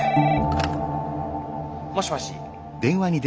☎もしもし。